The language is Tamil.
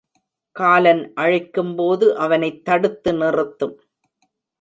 காலன் அழைக்கும்போது அவனைத் தடுத்து நிறுத்தும்.